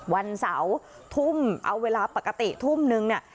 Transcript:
วันเสาร์ทุ่มเอาเวลาปกติทุ่มนึงเนี่ย